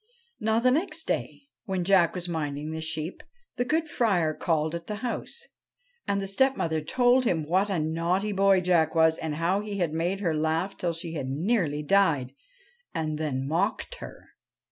Now, the next day, when Jack was minding the sheep, the good 123 THE FRIAR AND THE BOY Friar called at the house, and the stepmother told him what a naughty boy Jack was, and how he had made her laugh till she had nearly died, and then mocked her.